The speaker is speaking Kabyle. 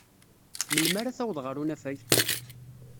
Melmi ara taweḍ ɣer unafag?